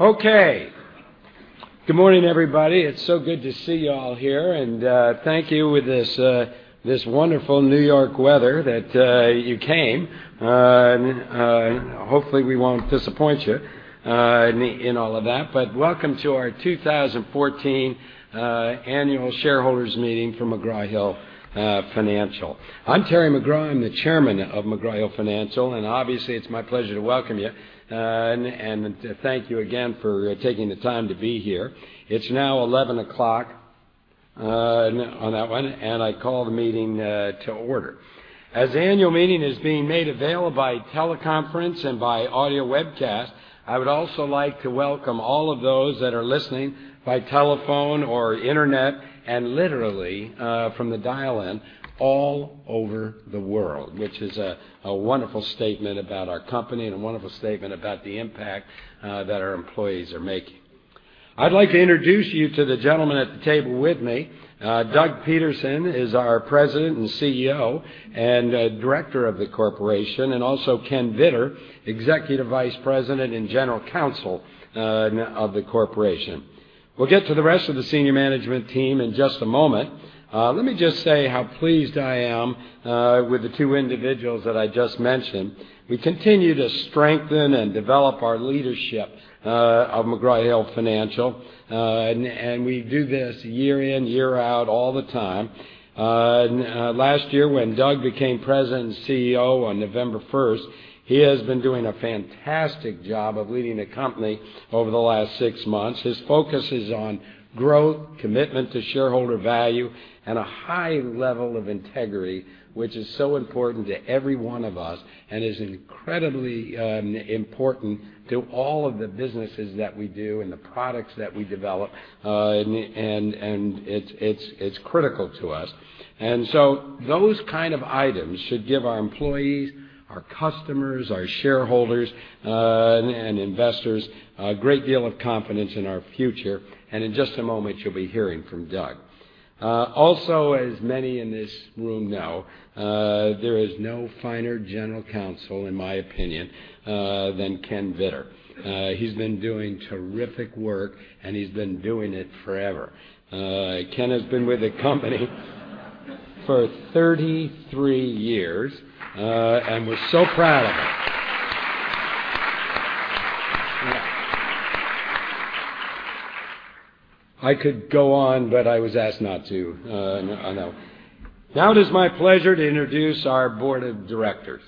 Okay. Good morning, everybody. It's so good to see you all here. Thank you with this wonderful New York weather that you came. Hopefully, we won't disappoint you in all of that. Welcome to our 2014 annual shareholders' meeting for McGraw Hill Financial. I'm Terry McGraw. I'm the Chairman of McGraw Hill Financial, obviously, it's my pleasure to welcome you. Thank you again for taking the time to be here. It's now 11:00 A.M. on that one. I call the meeting to order. As the annual meeting is being made available by teleconference and by audio webcast, I would also like to welcome all of those that are listening by telephone or internet and literally, from the dial-in all over the world, which is a wonderful statement about our company and a wonderful statement about the impact that our employees are making. I'd like to introduce you to the gentleman at the table with me. Doug Peterson is our President and CEO and Director of the corporation, also Ken Vittor, Executive Vice President and General Counsel of the corporation. We'll get to the rest of the senior management team in just a moment. Let me just say how pleased I am with the two individuals that I just mentioned. We continue to strengthen and develop our leadership of McGraw Hill Financial. We do this year in, year out, all the time. Last year, when Doug became President and CEO on November 1st, he has been doing a fantastic job of leading the company over the last six months. His focus is on growth, commitment to shareholder value, and a high level of integrity, which is so important to every one of us and is incredibly important to all of the businesses that we do and the products that we develop. It's critical to us. Those kind of items should give our employees, our customers, our shareholders, and investors a great deal of confidence in our future. In just a moment, you'll be hearing from Doug. Also, as many in this room know, there is no finer General Counsel, in my opinion, than Ken Vittor. He's been doing terrific work. He's been doing it forever. Ken has been with the company for 33 years. We're so proud of him. I could go on. I was asked not to. I know. Now it is my pleasure to introduce our Board of Directors.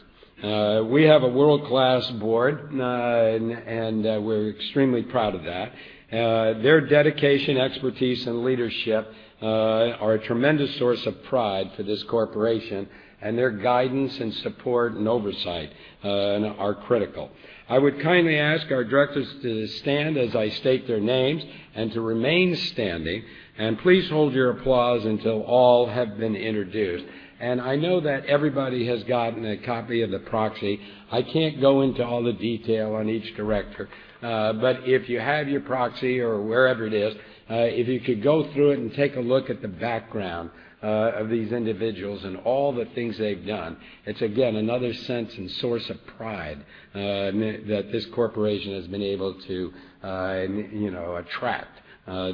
We have a world-class Board. We're extremely proud of that. Their dedication, expertise, and leadership are a tremendous source of pride for this corporation. Their guidance and support and oversight are critical. I would kindly ask our Directors to stand as I state their names and to remain standing. Please hold your applause until all have been introduced. I know that everybody has gotten a copy of the proxy. I can't go into all the detail on each director. If you have your proxy or wherever it is, if you could go through it and take a look at the background of these individuals and all the things they've done, it's, again, another sense and source of pride that this corporation has been able to attract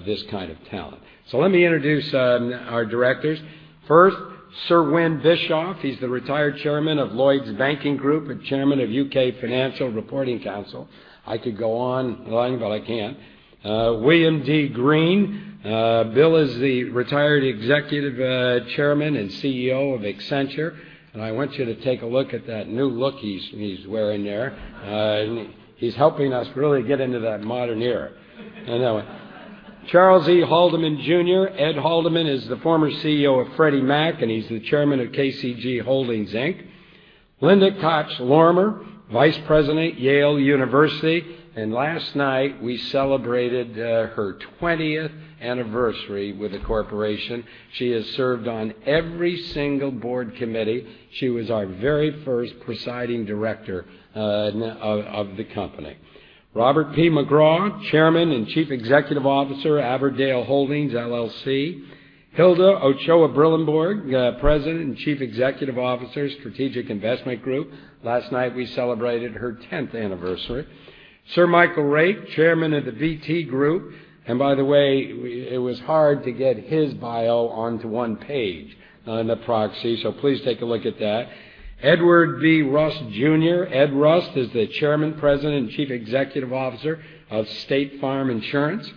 this kind of talent. Let me introduce our Directors. First, Sir Win Bischoff. He's the retired chairman of Lloyds Banking Group and chairman of U.K. Financial Reporting Council. I could go on, Win, but I can't. William D. Green. Bill is the retired executive chairman and CEO of Accenture, and I want you to take a look at that new look he's wearing there. He's helping us really get into that modern era. I know. Charles E. Haldeman, Jr. Ed Haldeman is the former CEO of Freddie Mac. He's the chairman of KCG Holdings, Inc. Linda Koch Lorimer, vice president, Yale University. Last night we celebrated her 20th anniversary with the corporation. She has served on every single board committee. She was our very first presiding director of the company. Robert P. McGraw, chairman and chief executive officer, Averdale Holdings, LLC. Hilda Ochoa-Brillembourg, president and chief executive officer, Strategic Investment Group. Last night, we celebrated her 10th anniversary. Sir Michael Rake, chairman of the BT Group. By the way, it was hard to get his bio onto one page in the proxy, so please take a look at that. Edward B. Rust, Jr. Ed Rust is the chairman, president, and chief executive officer of State Farm Insurance.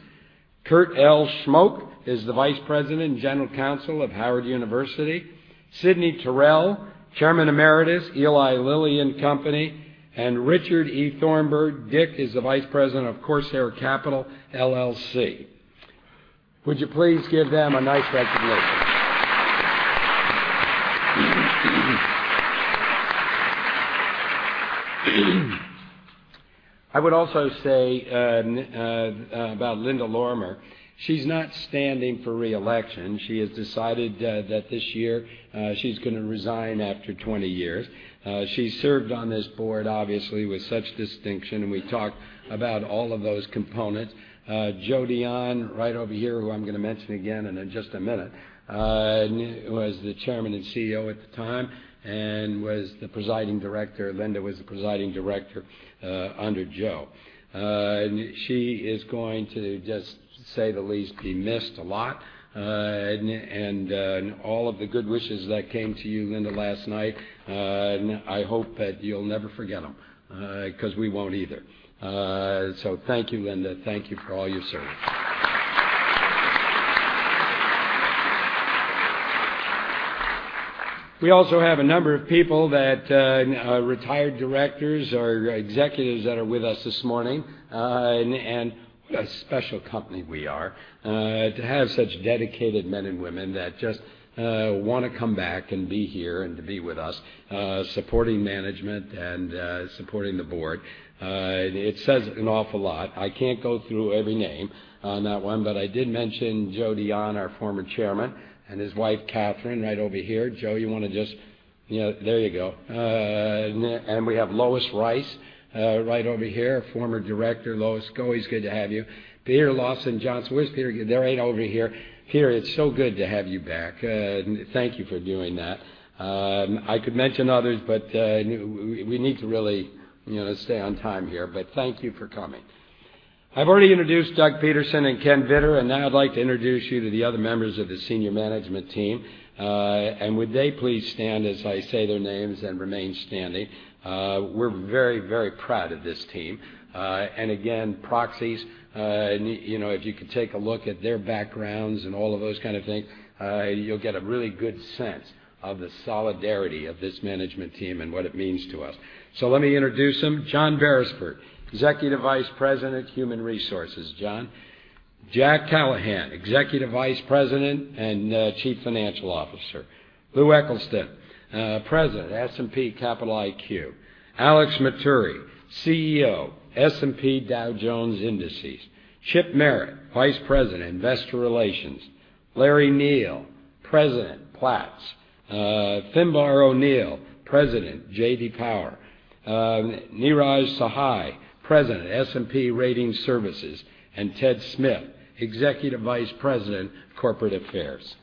Kurt L. Schmoke is the vice president and general counsel of Howard University. Sidney Taurel, chairman emeritus, Eli Lilly and Company. Richard E. Thornburgh. Dick is the vice president of Corsair Capital, LLC. Would you please give them a nice round of applause? I would also say about Linda Lorimer, she's not standing for re-election. She has decided that this year she's going to resign after 20 years. She served on this board, obviously, with such distinction. We talked about all of those components. Joe Dionne, right over here, who I'm going to mention again in just a minute, was the chairman and CEO at the time and was the presiding director. Linda was the presiding director under Joe. She is going to just, to say the least, be missed a lot. All of the good wishes that came to you, Linda, last night, I hope that you'll never forget them, because we won't either. Thank you, Linda. Thank you for all your service. We also have a number of people, retired directors or executives, that are with us this morning. What a special company we are to have such dedicated men and women that just want to come back and be here and to be with us, supporting management and supporting the board. It says an awful lot. I can't go through every name on that one. I did mention Joe Dionne, our former chairman, and his wife, Catherine, right over here. Joe, you want to just There you go. We have Lois Rice right over here, former director. Lois, it's always good to have you. Peter Lawson-Johnston. Where's Peter? Right over here. Peter, it's so good to have you back. Thank you for doing that. I could mention others. We need to really stay on time here. Thank you for coming. I've already introduced Doug Peterson and Ken Vittor. Now I'd like to introduce you to the other members of the senior management team. Would they please stand as I say their names and remain standing? We're very proud of this team. Again, proxies, if you could take a look at their backgrounds and all of those kind of things, you'll get a really good sense of the solidarity of this management team and what it means to us. Let me introduce them. John Beresford, Executive Vice President, Human Resources. John. Jack Callahan, Executive Vice President and Chief Financial Officer. Lou Eccleston, President, S&P Capital IQ. Alex Matturri, CEO, S&P Dow Jones Indices. Chip Merritt, Vice President, Investor Relations. Larry Neal, President, Platts. Finbarr O'Neill, President, J.D. Power. Neeraj Sahai, President, S&P Ratings Services. Ted Smyth, Executive Vice President, Corporate Affairs.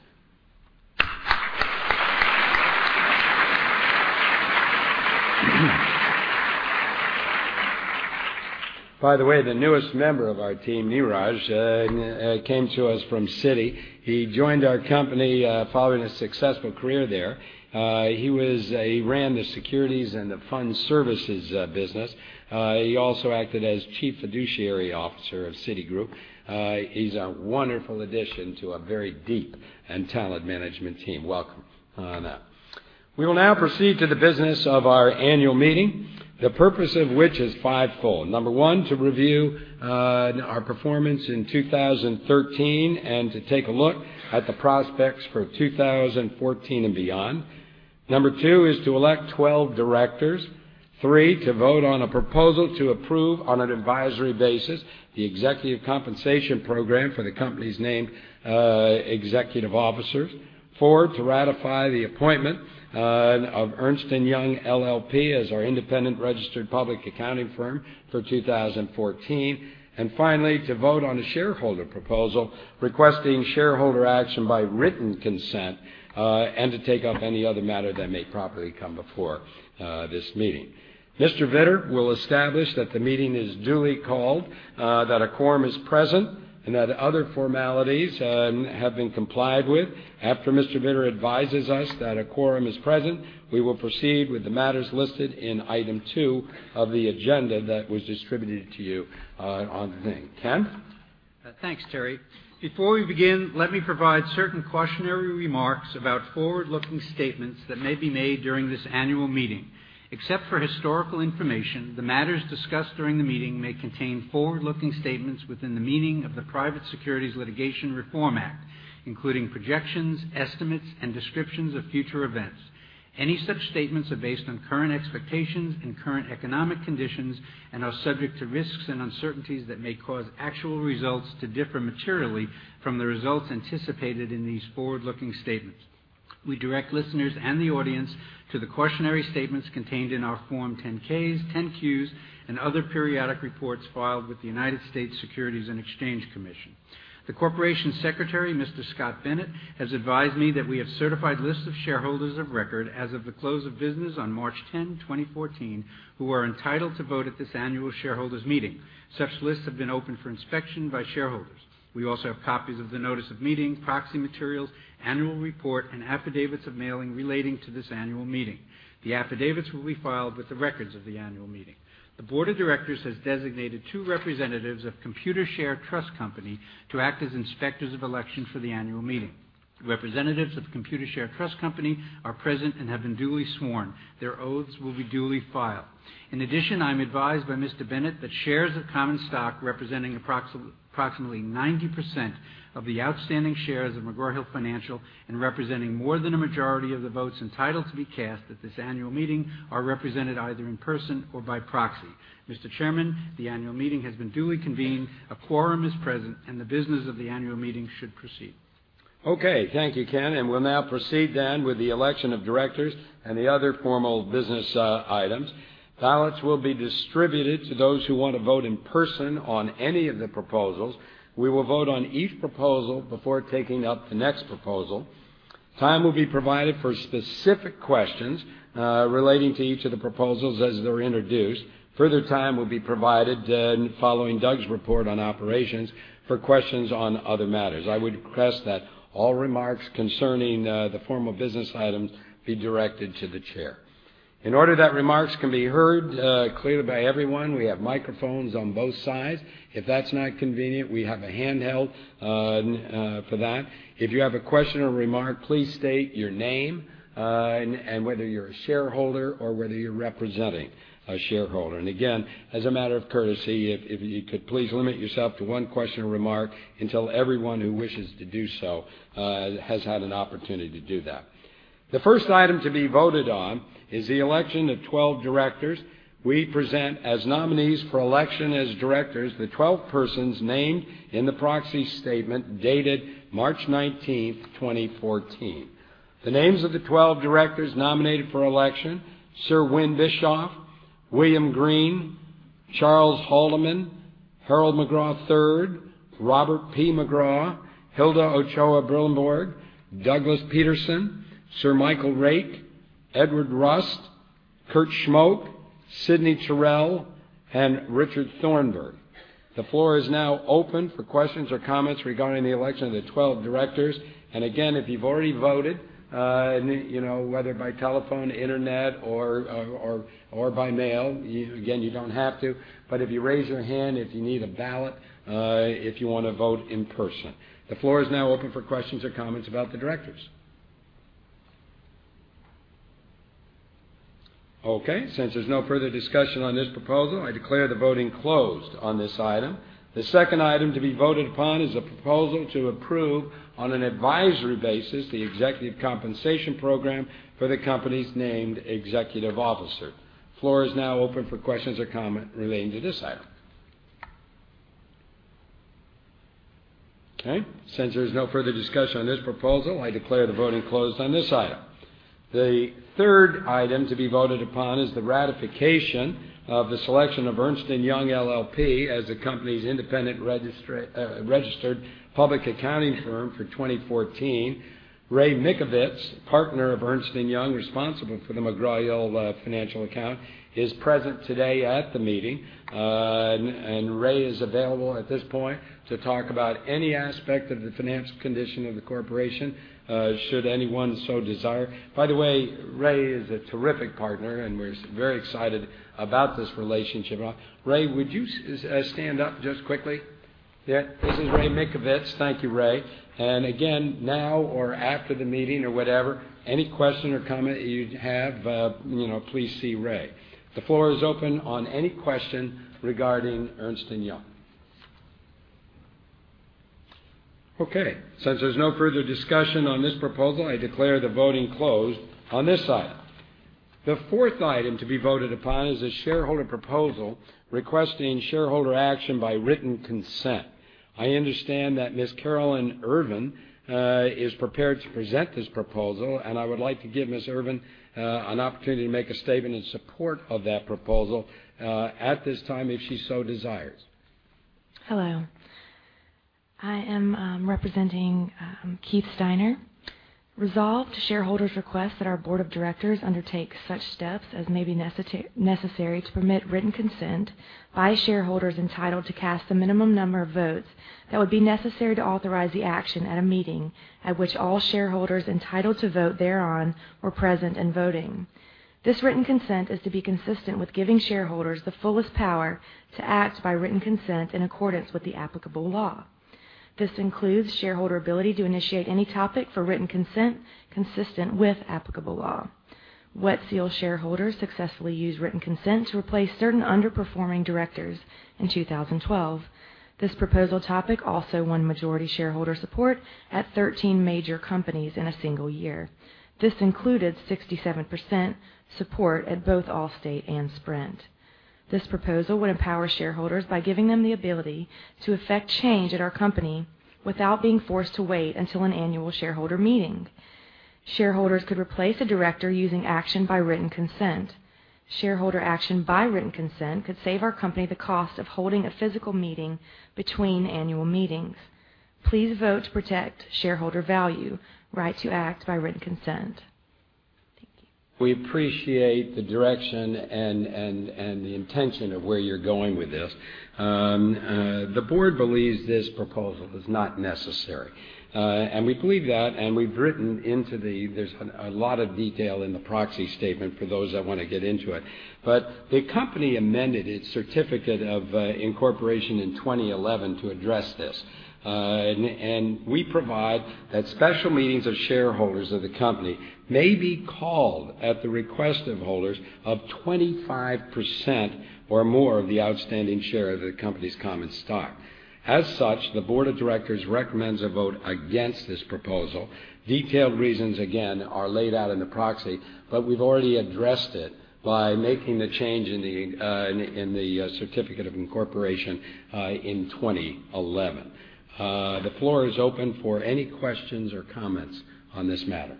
By the way, the newest member of our team, Neeraj, came to us from Citi. He joined our company following a successful career there. He ran the securities and the fund services business. He also acted as Chief Fiduciary Officer of Citigroup. He's a wonderful addition to a very deep and talent management team. Welcome on that. We will now proceed to the business of our annual meeting, the purpose of which is five-fold. Number one, to review our performance in 2013 and to take a look at the prospects for 2014 and beyond. Number two is to elect 12 directors. Three, to vote on a proposal to approve, on an advisory basis, the executive compensation program for the company's named executive officers. Four, to ratify the appointment of Ernst & Young LLP as our independent registered public accounting firm for 2014. Finally, to vote on a shareholder proposal requesting shareholder action by written consent and to take up any other matter that may properly come before this meeting. Mr. Vittor will establish that the meeting is duly called, that a quorum is present, and that other formalities have been complied with. After Mr. Vittor advises us that a quorum is present, we will proceed with the matters listed in item two of the agenda that was distributed to you on the thing. Ken? Thanks, Terry. Before we begin, let me provide certain cautionary remarks about forward-looking statements that may be made during this annual meeting. Except for historical information, the matters discussed during the meeting may contain forward-looking statements within the meaning of the Private Securities Litigation Reform Act, including projections, estimates, and descriptions of future events. Any such statements are based on current expectations and current economic conditions and are subject to risks and uncertainties that may cause actual results to differ materially from the results anticipated in these forward-looking statements. We direct listeners and the audience to the cautionary statements contained in our Form 10-Ks, 10-Qs, and other periodic reports filed with the United States Securities and Exchange Commission. The Corporate Secretary, Mr. Scott Bennett, has advised me that we have certified lists of shareholders of record as of the close of business on March 10, 2014, who are entitled to vote at this annual shareholders' meeting. Such lists have been open for inspection by shareholders. We also have copies of the notice of meeting, proxy materials, annual report, and affidavits of mailing relating to this annual meeting. The affidavits will be filed with the records of the annual meeting. The board of directors has designated two representatives of Computershare Trust Company to act as inspectors of election for the annual meeting. Representatives of the Computershare Trust Company are present and have been duly sworn. Their oaths will be duly filed. In addition, I'm advised by Mr. Bennett that shares of common stock representing approximately 90% of the outstanding shares of McGraw Hill Financial and representing more than a majority of the votes entitled to be cast at this annual meeting are represented either in person or by proxy. Mr. Chairman, the annual meeting has been duly convened, a quorum is present, and the business of the annual meeting should proceed. Okay. Thank you, Ken. We'll now proceed then with the election of directors and the other formal business items. Ballots will be distributed to those who want to vote in person on any of the proposals. We will vote on each proposal before taking up the next proposal. Time will be provided for specific questions relating to each of the proposals as they're introduced. Further time will be provided then following Doug's report on operations for questions on other matters. I would request that all remarks concerning the formal business items be directed to the chair. In order that remarks can be heard clearly by everyone, we have microphones on both sides. If that's not convenient, we have a handheld for that. If you have a question or remark, please state your name, and whether you're a shareholder or whether you're representing a shareholder. Again, as a matter of courtesy, if you could please limit yourself to one question or remark until everyone who wishes to do so has had an opportunity to do that. The first item to be voted on is the election of 12 directors. We present as nominees for election as directors the 12 persons named in the proxy statement dated March 19, 2014. The names of the 12 directors nominated for election, Sir Win Bischoff, William Green, Charles Haldeman, Harold McGraw III, Robert P. McGraw, Hilda Ochoa-Brillembourg, Douglas Peterson, Sir Michael Rake, Edward Rust, Kurt Schmoke, Sidney Taurel, and Richard Thornburgh. The floor is now open for questions or comments regarding the election of the 12 directors. Again, if you've already voted, whether by telephone, internet, or by mail, again, you don't have to. If you raise your hand if you need a ballot, if you want to vote in person. The floor is now open for questions or comments about the directors. Okay, since there's no further discussion on this proposal, I declare the voting closed on this item. The second item to be voted upon is a proposal to approve, on an advisory basis, the Executive Compensation Program for the company's named executive officer. Floor is now open for questions or comment relating to this item. Okay, since there's no further discussion on this proposal, I declare the voting closed on this item. The third item to be voted upon is the ratification of the selection of Ernst & Young LLP as the company's independent registered public accounting firm for 2014. Ray Mickovic, partner of Ernst & Young responsible for the McGraw Hill Financial account, is present today at the meeting. Ray is available at this point to talk about any aspect of the financial condition of the corporation, should anyone so desire. By the way, Ray is a terrific partner, and we're very excited about this relationship. Ray, would you stand up just quickly? Yeah, this is Ray Mickovic. Thank you, Ray. Again, now or after the meeting or whatever, any question or comment you have, please see Ray. The floor is open on any question regarding Ernst & Young. Okay, since there's no further discussion on this proposal, I declare the voting closed on this item. The fourth item to be voted upon is a shareholder proposal requesting shareholder action by written consent. I understand that Ms. Carolyn Irvin is prepared to present this proposal, and I would like to give Ms. Irvin an opportunity to make a statement in support of that proposal at this time, if she so desires. Hello. I am representing Keith Steiner. Resolved, shareholders request that our board of directors undertake such steps as may be necessary to permit written consent by shareholders entitled to cast the minimum number of votes that would be necessary to authorize the action at a meeting at which all shareholders entitled to vote thereon were present and voting. This written consent is to be consistent with giving shareholders the fullest power to act by written consent in accordance with the applicable law. This includes shareholder ability to initiate any topic for written consent consistent with applicable law. Wet Seal shareholders successfully used written consent to replace certain underperforming directors in 2012. This proposal topic also won majority shareholder support at 13 major companies in a single year. This included 67% support at both Allstate and Sprint. This proposal would empower shareholders by giving them the ability to effect change at our company without being forced to wait until an annual shareholder meeting. Shareholders could replace a director using action by written consent. Shareholder action by written consent could save our company the cost of holding a physical meeting between annual meetings. Please vote to protect shareholder value, right to act by written consent. We appreciate the direction and the intention of where you're going with this. The board believes this proposal is not necessary, and we believe that, and there's a lot of detail in the proxy statement for those that want to get into it. The company amended its certificate of incorporation in 2011 to address this. We provide that special meetings of shareholders of the company may be called at the request of holders of 25% or more of the outstanding share of the company's common stock. As such, the board of directors recommends a vote against this proposal. Detailed reasons, again, are laid out in the proxy, but we've already addressed it by making the change in the certificate of incorporation in 2011. The floor is open for any questions or comments on this matter.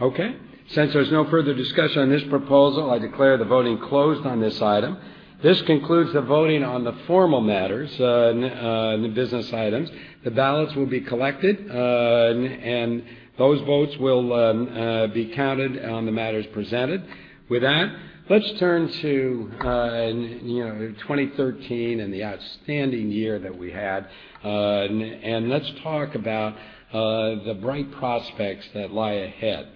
Okay. Since there's no further discussion on this proposal, I declare the voting closed on this item. This concludes the voting on the formal matters, the business items. The ballots will be collected, and those votes will be counted on the matters presented. With that, let's turn to 2013 and the outstanding year that we had, and let's talk about the bright prospects that lie ahead.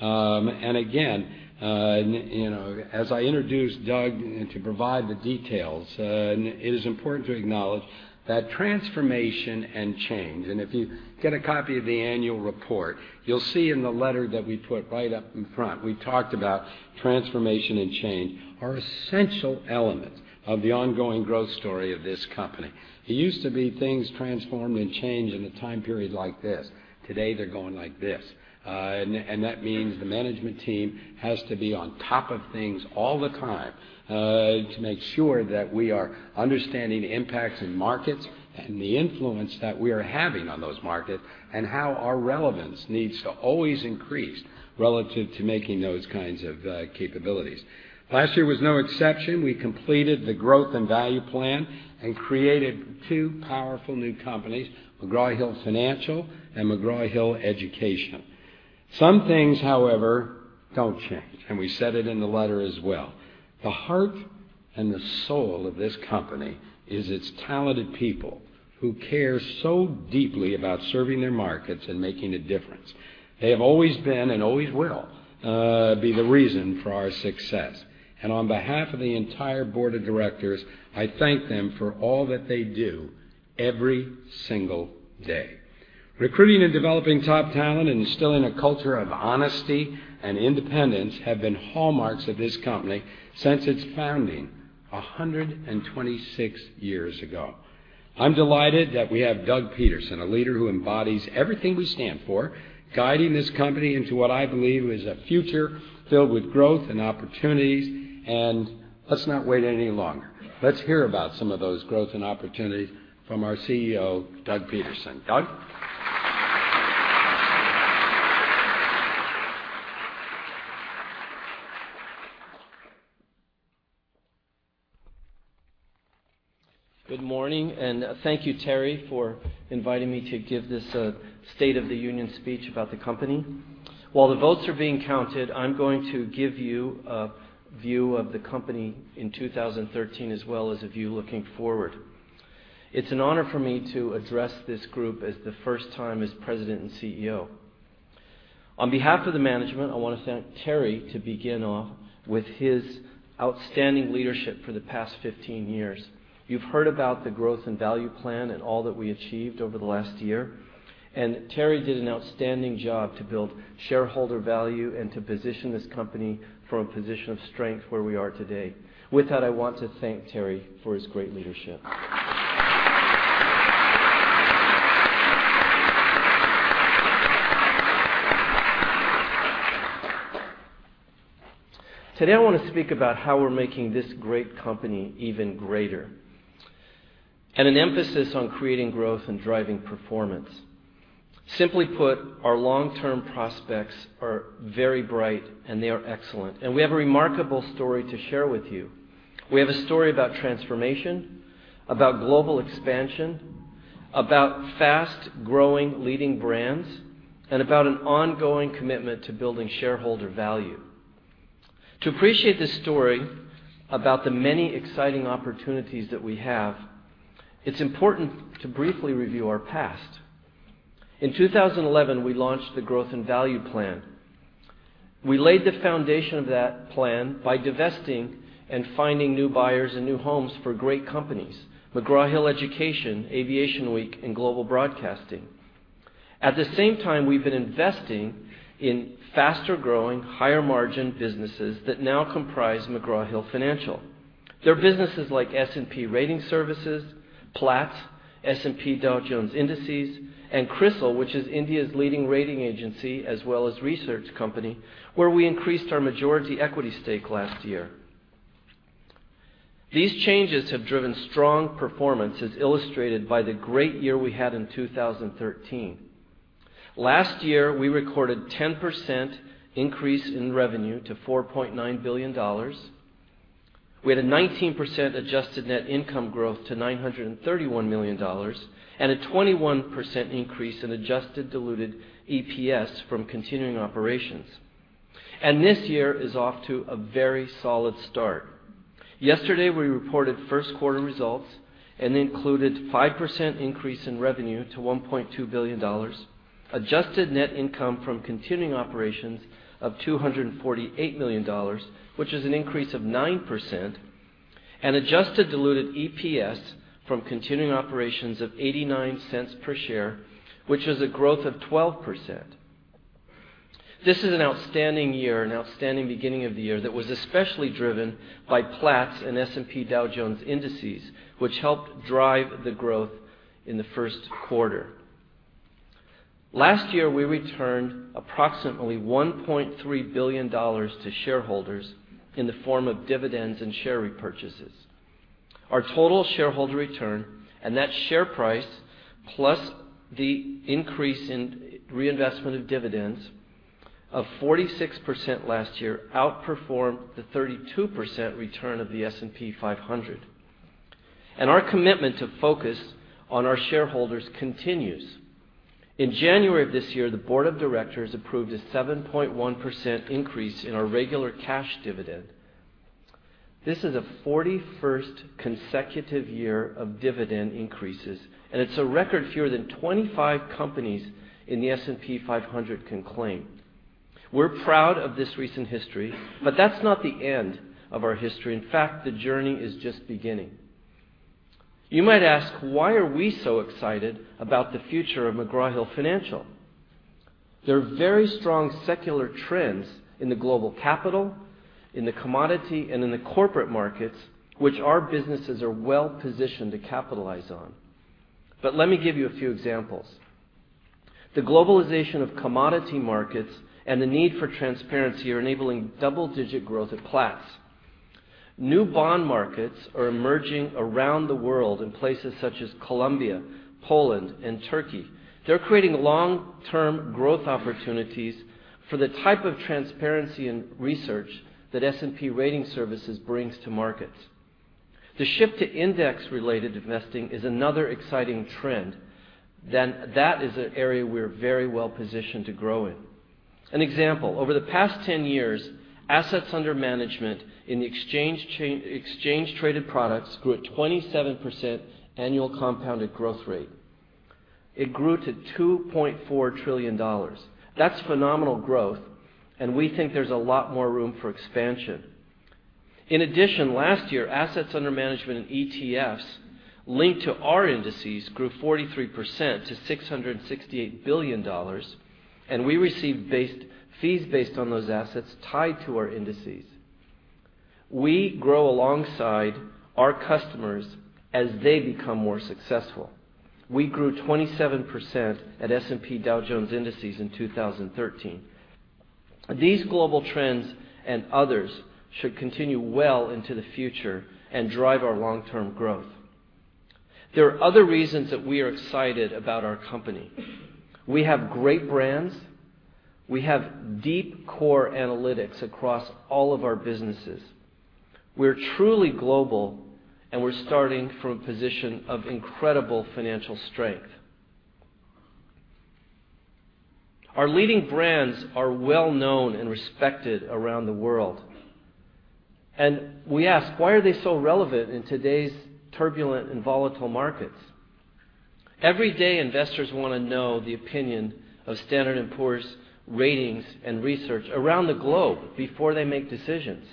Again, as I introduce Doug to provide the details, it is important to acknowledge that transformation and change. If you get a copy of the annual report, you'll see in the letter that we put right up in front, we talked about transformation and change are essential elements of the ongoing growth story of this company. It used to be things transformed and changed in a time period like this. Today, they're going like this. That means the management team has to be on top of things all the time to make sure that we are understanding the impacts in markets and the influence that we are having on those markets, and how our relevance needs to always increase relative to making those kinds of capabilities. Last year was no exception. We completed the growth and value plan and created two powerful new companies, McGraw Hill Financial and McGraw Hill Education. Some things, however, don't change, and we said it in the letter as well. The heart and the soul of this company is its talented people who care so deeply about serving their markets and making a difference. They have always been and always will be the reason for our success. On behalf of the entire board of directors, I thank them for all that they do every single day. Recruiting and developing top talent and instilling a culture of honesty and independence have been hallmarks of this company since its founding 126 years ago. I'm delighted that we have Doug Peterson, a leader who embodies everything we stand for, guiding this company into what I believe is a future filled with growth and opportunities. Let's not wait any longer. Let's hear about some of those growth and opportunities from our CEO, Doug Peterson. Doug? Good morning, and thank you, Terry, for inviting me to give this State of the Union speech about the company. While the votes are being counted, I'm going to give you a view of the company in 2013 as well as a view looking forward. It's an honor for me to address this group as the first time as President and CEO. On behalf of the management, I want to thank Terry to begin off with his outstanding leadership for the past 15 years. You've heard about the Growth and Value Plan and all that we achieved over the last year. Terry did an outstanding job to build shareholder value and to position this company from a position of strength where we are today. With that, I want to thank Terry for his great leadership. Today, I want to speak about how we're making this great company even greater and an emphasis on creating growth and driving performance. Simply put, our long-term prospects are very bright, and they are excellent. We have a remarkable story to share with you. We have a story about transformation, about global expansion, about fast-growing leading brands, and about an ongoing commitment to building shareholder value. To appreciate this story about the many exciting opportunities that we have, it's important to briefly review our past. In 2011, we launched the Growth and Value Plan. We laid the foundation of that plan by divesting and finding new buyers and new homes for great companies, McGraw Hill Education, Aviation Week, and McGraw-Hill Broadcasting. At the same time, we've been investing in faster-growing, higher-margin businesses that now comprise McGraw Hill Financial. They're businesses like S&P Rating Services, Platts, S&P Dow Jones Indices, and CRISIL, which is India's leading rating agency as well as research company, where we increased our majority equity stake last year. These changes have driven strong performance, as illustrated by the great year we had in 2013. Last year, we recorded 10% increase in revenue to $4.9 billion. We had a 19% adjusted net income growth to $931 million and a 21% increase in adjusted diluted EPS from continuing operations. This year is off to a very solid start. Yesterday, we reported first quarter results and included 5% increase in revenue to $1.2 billion, adjusted net income from continuing operations of $248 million, which is an increase of 9%, and adjusted diluted EPS from continuing operations of $0.89 per share, which is a growth of 12%. This is an outstanding year, an outstanding beginning of the year that was especially driven by Platts and S&P Dow Jones Indices, which helped drive the growth in the first quarter. Last year, we returned approximately $1.3 billion to shareholders in the form of dividends and share repurchases. Our total shareholder return, that share price plus the increase in reinvestment of dividends of 46% last year, outperformed the 32% return of the S&P 500. Our commitment to focus on our shareholders continues. In January of this year, the board of directors approved a 7.1% increase in our regular cash dividend. This is the 41st consecutive year of dividend increases, and it's a record fewer than 25 companies in the S&P 500 can claim. We're proud of this recent history, but that's not the end of our history. In fact, the journey is just beginning. You might ask, why are we so excited about the future of McGraw Hill Financial? There are very strong secular trends in the global capital, in the commodity, and in the corporate markets, which our businesses are well-positioned to capitalize on. Let me give you a few examples. The globalization of commodity markets and the need for transparency are enabling double-digit growth at Platts. New bond markets are emerging around the world in places such as Colombia, Poland, and Turkey. They're creating long-term growth opportunities for the type of transparency and research that S&P Rating Services brings to markets. The shift to index-related investing is another exciting trend. That is an area we're very well-positioned to grow in. An example, over the past 10 years, assets under management in exchange-traded products grew at 27% annual compounded growth rate. It grew to $2.4 trillion. That's phenomenal growth, and we think there's a lot more room for expansion. In addition, last year, assets under management in ETFs linked to our indices grew 43% to $668 billion, and we received fees based on those assets tied to our indices. We grow alongside our customers as they become more successful. We grew 27% at S&P Dow Jones Indices in 2013. These global trends and others should continue well into the future and drive our long-term growth. There are other reasons that we are excited about our company. We have great brands. We have deep core analytics across all of our businesses. We're truly global, and we're starting from a position of incredible financial strength. Our leading brands are well-known and respected around the world. We ask, why are they so relevant in today's turbulent and volatile markets? Every day, investors want to know the opinion of Standard & Poor's ratings and research around the globe before they make decisions.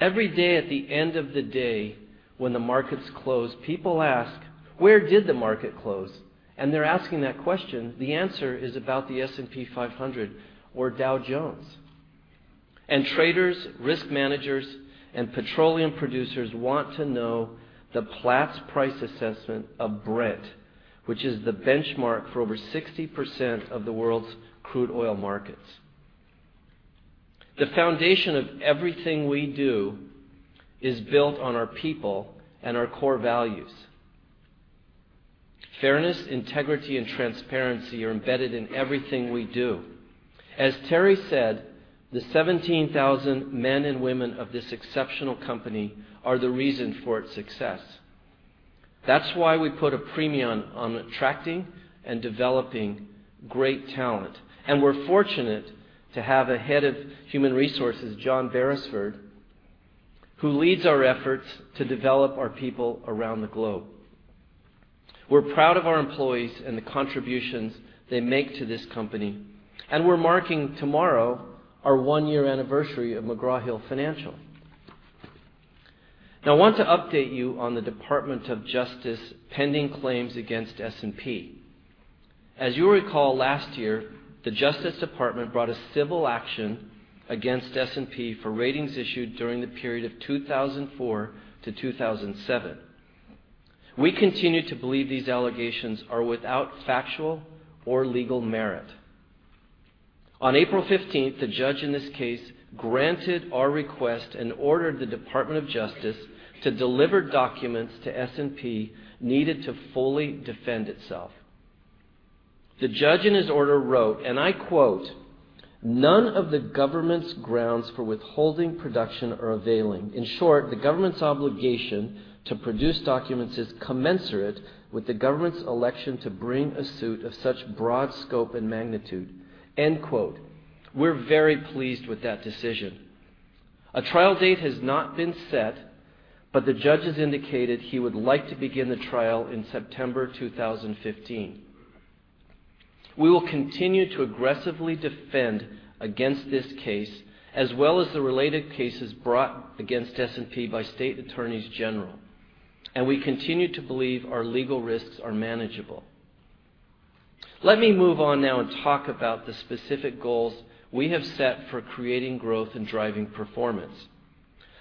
Every day at the end of the day, when the markets close, people ask, "Where did the market close?" They're asking that question. The answer is about the S&P 500 or Dow Jones. Traders, risk managers, and petroleum producers want to know the Platts price assessment of Brent, which is the benchmark for over 60% of the world's crude oil markets. The foundation of everything we do is built on our people and our core values. Fairness, integrity, and transparency are embedded in everything we do. As Terry said, the 17,000 men and women of this exceptional company are the reason for its success. That's why we put a premium on attracting and developing great talent. We're fortunate to have a head of human resources, John Beresford, who leads our efforts to develop our people around the globe. We're proud of our employees and the contributions they make to this company, and we're marking tomorrow our one-year anniversary of McGraw Hill Financial. Now, I want to update you on the Department of Justice pending claims against S&P. As you recall, last year, the Justice Department brought a civil action against S&P for ratings issued during the period of 2004 to 2007. We continue to believe these allegations are without factual or legal merit. On April 15th, the judge in this case granted our request and ordered the Department of Justice to deliver documents to S&P needed to fully defend itself. The judge in his order wrote, and I quote, "None of the government's grounds for withholding production are availing. In short, the government's obligation to produce documents is commensurate with the government's election to bring a suit of such broad scope and magnitude." End quote. We're very pleased with that decision. A trial date has not been set, but the judge has indicated he would like to begin the trial in September 2015. We will continue to aggressively defend against this case, as well as the related cases brought against S&P by state attorneys general, and we continue to believe our legal risks are manageable. Let me move on now and talk about the specific goals we have set for creating growth and driving performance.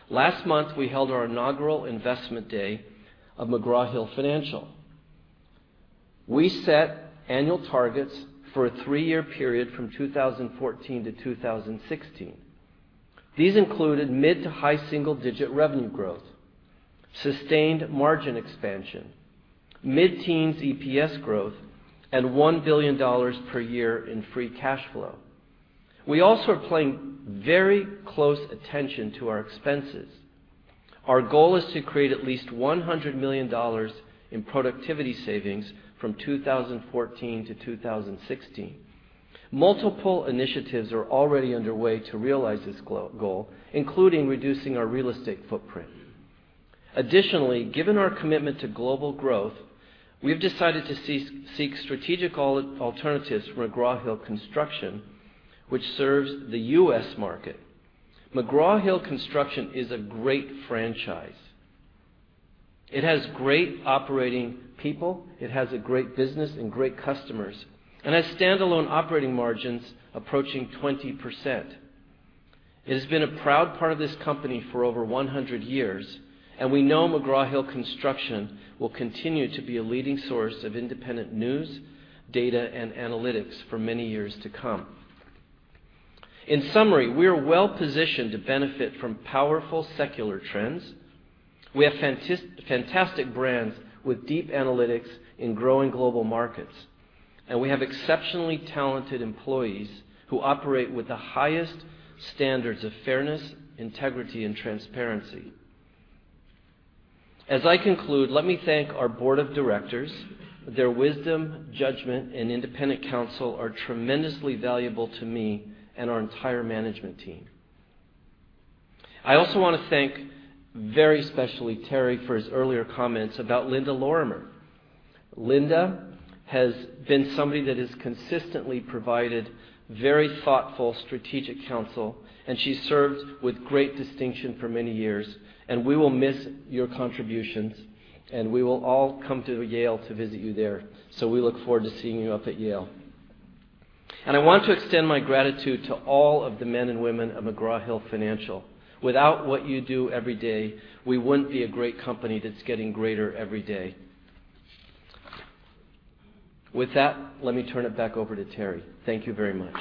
Last month, we held our inaugural investment day of McGraw Hill Financial. We set annual targets for a three-year period from 2014 to 2016. These included mid to high single-digit revenue growth, sustained margin expansion, mid-teens EPS growth, and $1 billion per year in free cash flow. We also are paying very close attention to our expenses. Our goal is to create at least $100 million in productivity savings from 2014 to 2016. Multiple initiatives are already underway to realize this goal, including reducing our real estate footprint. Additionally, given our commitment to global growth, we've decided to seek strategic alternatives for McGraw Hill Construction, which serves the U.S. market. McGraw Hill Construction is a great franchise. It has great operating people. It has a great business and great customers, and has standalone operating margins approaching 20%. It has been a proud part of this company for over 100 years, and we know McGraw Hill Construction will continue to be a leading source of independent news, data, and analytics for many years to come. We are well-positioned to benefit from powerful secular trends. We have fantastic brands with deep analytics in growing global markets, and we have exceptionally talented employees who operate with the highest standards of fairness, integrity, and transparency. As I conclude, let me thank our board of directors. Their wisdom, judgment, and independent counsel are tremendously valuable to me and our entire management team. I also want to thank very specially Terry for his earlier comments about Linda Lorimer. Linda has been somebody that has consistently provided very thoughtful strategic counsel, and she served with great distinction for many years, and we will miss your contributions, and we will all come to Yale to visit you there. We look forward to seeing you up at Yale. I want to extend my gratitude to all of the men and women of McGraw Hill Financial. Without what you do every day, we wouldn't be a great company that's getting greater every day. With that, let me turn it back over to Terry. Thank you very much.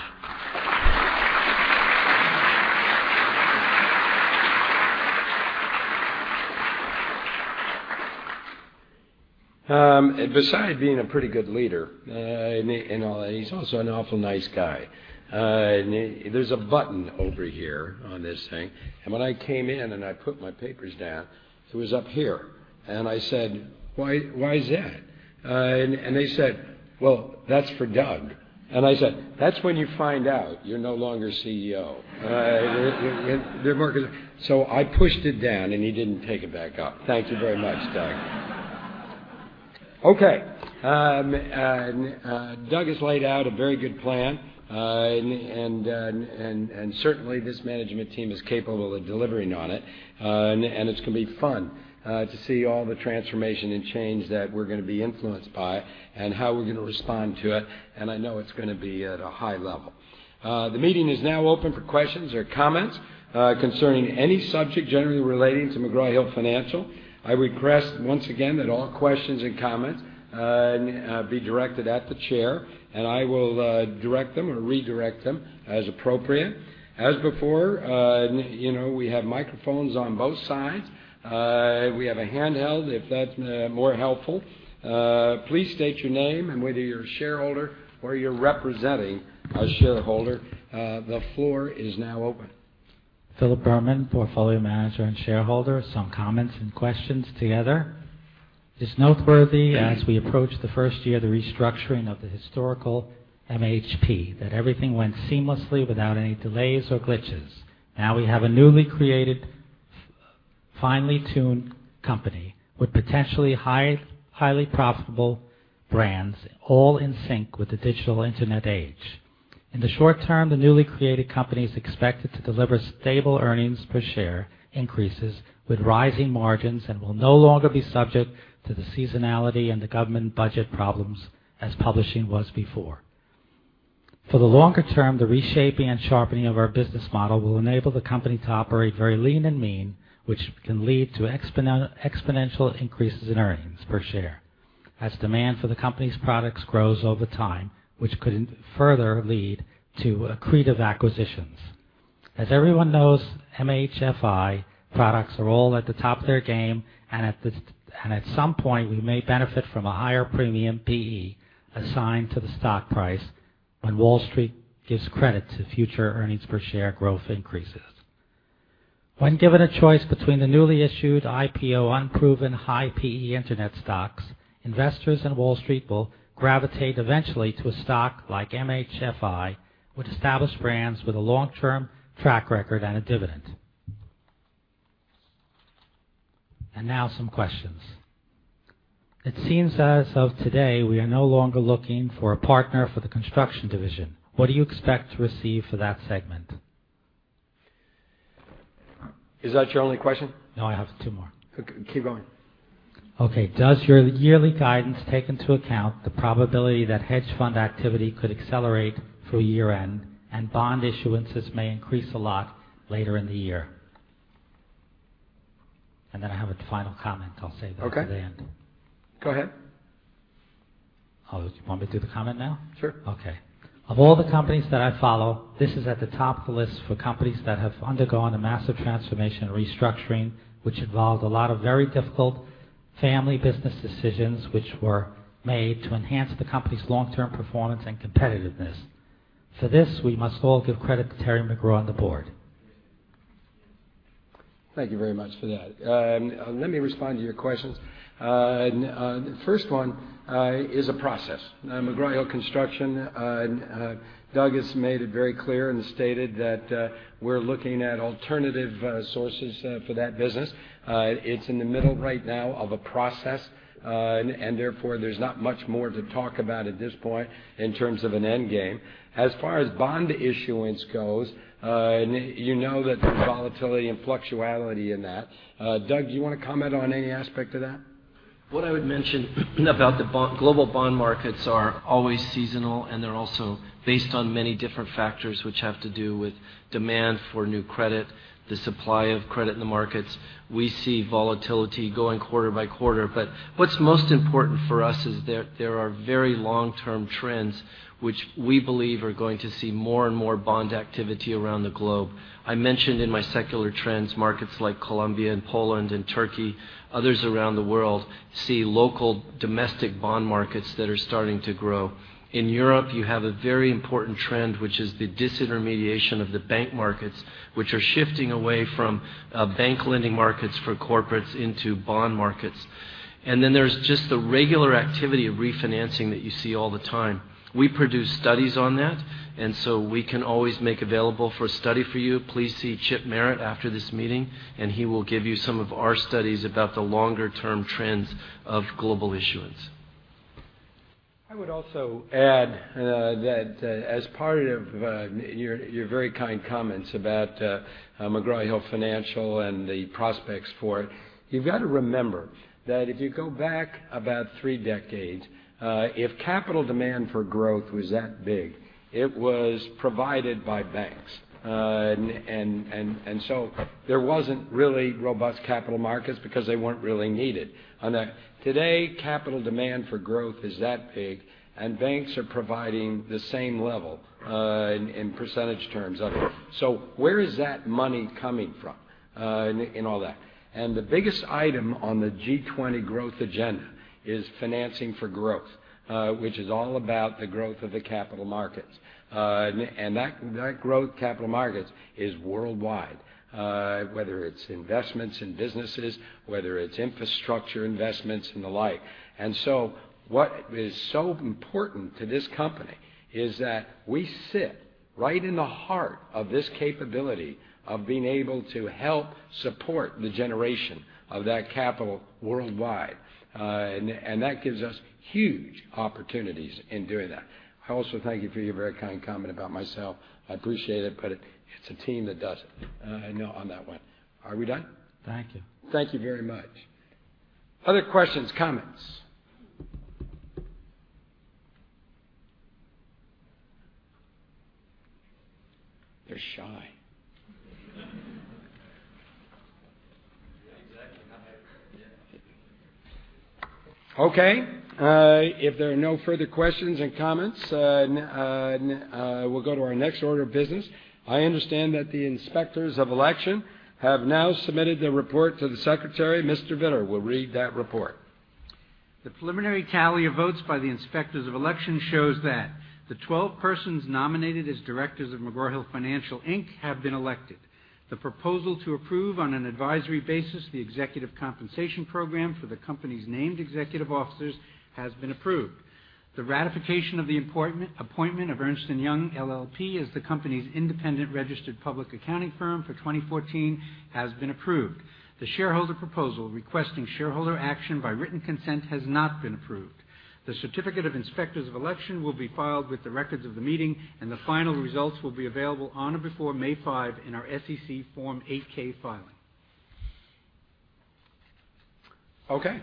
Besides being a pretty good leader, he's also an awful nice guy. There's a button over here on this thing, and when I came in and I put my papers down, it was up here. I said, "Why is that?" They said, "Well, that's for Doug." I said, "That's when you find out you're no longer CEO." So I pushed it down, and he didn't take it back up. Thank you very much, Doug. Okay. Doug has laid out a very good plan. Certainly, this management team is capable of delivering on it. It's going to be fun to see all the transformation and change that we're going to be influenced by and how we're going to respond to it, and I know it's going to be at a high level. The meeting is now open for questions or comments concerning any subject generally relating to McGraw Hill Financial. I request once again that all questions and comments be directed at the chair. I will direct them or redirect them as appropriate. As before, we have microphones on both sides. We have a handheld if that's more helpful. Please state your name and whether you're a shareholder or you're representing a shareholder. The floor is now open. Philip Berman, portfolio manager and shareholder. Some comments and questions together. It's noteworthy as we approach the first year of the restructuring of the historical MHP, that everything went seamlessly without any delays or glitches. Now we have a newly created, finely tuned company with potentially highly profitable brands, all in sync with the digital Internet age. In the short term, the newly created company is expected to deliver stable earnings per share increases with rising margins and will no longer be subject to the seasonality and the government budget problems as publishing was before. For the longer term, the reshaping and sharpening of our business model will enable the company to operate very lean and mean, which can lead to exponential increases in earnings per share as demand for the company's products grows over time, which could further lead to accretive acquisitions. As everyone knows, MHFI products are all at the top of their game, and at some point, we may benefit from a higher premium PE assigned to the stock price when Wall Street gives credit to future earnings per share growth increases. When given a choice between the newly issued IPO unproven high PE internet stocks, investors and Wall Street will gravitate eventually to a stock like MHFI, with established brands, with a long-term track record and a dividend. Now some questions. It seems as of today, we are no longer looking for a partner for the construction division. What do you expect to receive for that segment? Is that your only question? No, I have two more. Okay. Keep going. Okay. Does your yearly guidance take into account the probability that hedge fund activity could accelerate through year-end, bond issuances may increase a lot later in the year? I have a final comment. I'll save that for the end. Okay. Go ahead. You want me to do the comment now? Sure. Okay. Of all the companies that I follow, this is at the top of the list for companies that have undergone a massive transformation and restructuring, which involved a lot of very difficult family business decisions which were made to enhance the company's long-term performance and competitiveness. For this, we must all give credit to Terry McGraw and the board. Thank you very much for that. Let me respond to your questions. First one is a process. McGraw Hill Construction, Doug has made it very clear and stated that we're looking at alternative sources for that business. It's in the middle right now of a process, and therefore, there's not much more to talk about at this point in terms of an end game. As far as bond issuance goes, you know that there's volatility and fluctuate in that. Doug, do you want to comment on any aspect of that? What I would mention about the global bond markets are always seasonal, and they're also based on many different factors which have to do with demand for new credit, the supply of credit in the markets. We see volatility going quarter by quarter, but what's most important for us is there are very long-term trends which we believe are going to see more and more bond activity around the globe. I mentioned in my secular trends, markets like Colombia and Poland and Turkey, others around the world, see local domestic bond markets that are starting to grow. In Europe, you have a very important trend, which is the disintermediation of the bank markets, which are shifting away from bank lending markets for corporates into bond markets. Then there's just the regular activity of refinancing that you see all the time. We produce studies on that, we can always make available for a study for you. Please see Chip Merritt after this meeting, and he will give you some of our studies about the longer-term trends of global issuance. I would also add that as part of your very kind comments about McGraw Hill Financial and the prospects for it, you've got to remember that if you go back about three decades, if capital demand for growth was that big, it was provided by banks. There wasn't really robust capital markets because they weren't really needed. Today, capital demand for growth is that big, and banks are providing the same level, in percentage terms of it. Where is that money coming from, in all that? The biggest item on the G20 growth agenda is financing for growth, which is all about the growth of the capital markets. That growth capital markets is worldwide, whether it's investments in businesses, whether it's infrastructure investments and the like. What is so important to this company is that we sit right in the heart of this capability of being able to help support the generation of that capital worldwide. That gives us huge opportunities in doing that. I also thank you for your very kind comment about myself. I appreciate it, but it's a team that does it on that one. Are we done? Thank you. Thank you very much. Other questions, comments? They're shy. Exactly. Okay. If there are no further questions and comments, we'll go to our next order of business. I understand that the inspectors of election have now submitted their report to the secretary. Mr. Vittor will read that report. The preliminary tally of votes by the inspectors of election shows that the 12 persons nominated as directors of McGraw Hill Financial, Inc. have been elected. The proposal to approve on an advisory basis the executive compensation program for the company's named executive officers has been approved. The ratification of the appointment of Ernst & Young LLP as the company's independent registered public accounting firm for 2014 has been approved. The shareholder proposal requesting shareholder action by written consent has not been approved. The certificate of inspectors of election will be filed with the records of the meeting, and the final results will be available on or before May 5 in our SEC Form 8-K filing. Okay.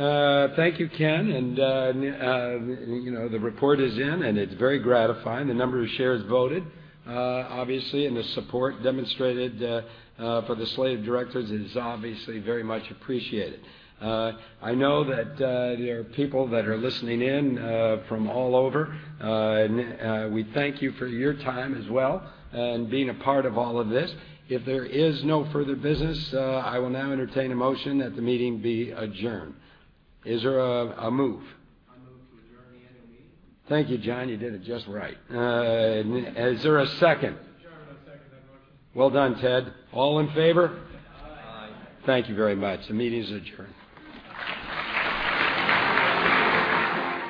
Thank you, Ken. The report is in, and it's very gratifying. The number of shares voted, obviously, and the support demonstrated for the slate of directors is obviously very much appreciated. I know that there are people that are listening in from all over. We thank you for your time as well and being a part of all of this. If there is no further business, I will now entertain a motion that the meeting be adjourned. Is there a move? I move to adjourn the annual meeting. Thank you, John. You did it just right. Is there a second? Chairman, I second that motion. Well done, Ted. All in favor? Aye. Thank you very much. The meeting is adjourned.